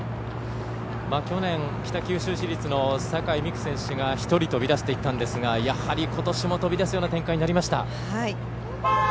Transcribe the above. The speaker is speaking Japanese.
去年、北九州市立の酒井美玖選手が１人飛び出していったんですがやはり、ことしも飛び出すような展開になりました。